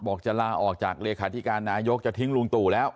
จะลาออกจากเลขาธิการนายกจะทิ้งลุงตู่แล้ว